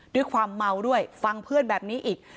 ด้วยความเมาด้วยฟังเพื่อนแบบนี้อีก